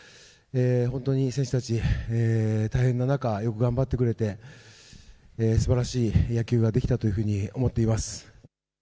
本当に選手たち、大変な中、よく頑張ってくれてすばらしい野球ができたというふうに思っています。